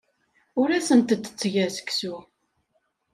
Ur asent-d-ttgeɣ seksu.